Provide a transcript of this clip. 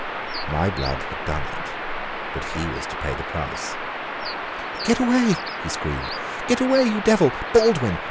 My blood had done it, but he was to pay the price. "Get away!" he screamed. "Get away, you devil! Baldwin!